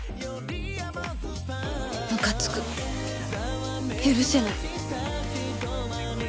ムカつく許せない